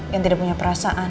yang tidak punya perasaan